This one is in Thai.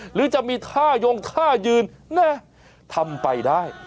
หรือจะมีท่ายงท่ายืนแน่ทำไปได้